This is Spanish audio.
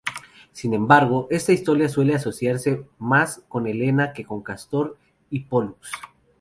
Sin embargo, esta historia suele asociarse más con Helena que con Cástor y Pólux.